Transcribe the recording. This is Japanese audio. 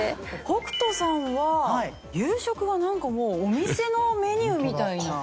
北斗さんは夕食はなんかもうお店のメニューみたいな。